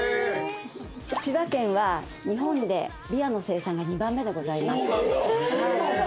千葉県は日本でびわの生産が２番目でございます。